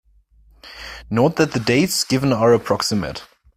Note that the dates given are approximate.